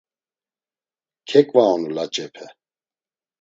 Keǩvaonu laç̌epe.